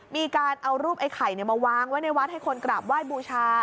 มีการเอารูปไอ้ไข่มาวางไว้ในวัดให้คนกราบไหว้บูชา